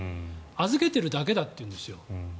預けているだけだと言うんですよ。